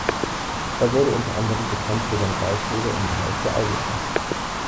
Er wurde unter anderem bekannt für seine Beiträge im Bereich der Algebra.